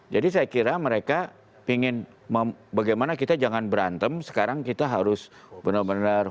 jadi saya kira mereka ingin bagaimana kita jangan berantem sekarang kita harus benar benar fokus